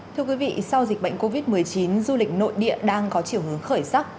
thưa quý vị sau dịch bệnh covid một mươi chín du lịch nội địa đang có chiều hướng khởi sắc